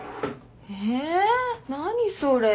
えー何それ。